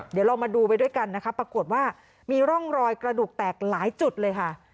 เดี๋ยวเรามาดูไปด้วยกันนะคะปรากฏว่ามีร่องรอยกระดูกแตกหลายจุดเลยค่ะ